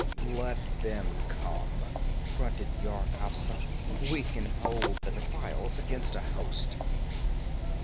'Let them come,' grunted Yar Afzal. 'We can hold the defiles against a host.'